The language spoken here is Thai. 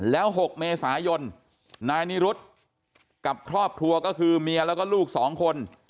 แล้ว๖เมษายนนายนิรุธกับครอบครัวก็คือเมียแล้วก็ลูก๒คน